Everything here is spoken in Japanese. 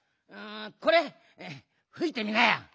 これふいてみなよ。